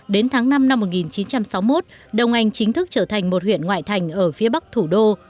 đến tháng năm năm một nghìn chín trăm sáu mươi một đông anh chính thức trở thành một huyện ngoại thành ở phía bắc thủ đô